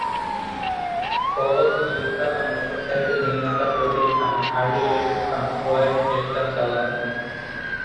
পরে তিনি বিখ্যাত মোটর সাইকেল নির্মাতা প্রতিষ্ঠান "হার্লি-ডেভিডসন" ক্রয়ের চেষ্টা চালান।